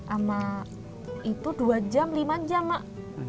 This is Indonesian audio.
sama itu dua jam lima jam mak